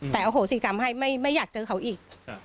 แต่อโหสิกรรมให้ไม่อยากเจอเขาอีก